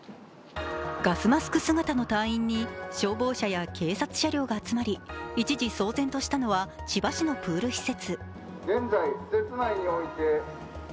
ガスマスク姿の隊員に消防車や警察車両が集まり、一時騒然としたのは千葉市のプール施設。